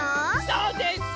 そうです。